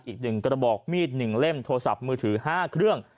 อีก๑กระบอกมีด๑เล่มโทรศัพท์มือถือ๕เครื่อง